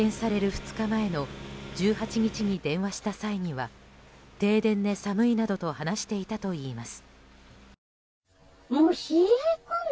２日前の１８日に電話した際には停電で寒いなどと話していたといいます。